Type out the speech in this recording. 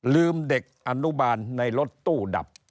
ลืมเด็กอนุบาลในรถตู้ดับ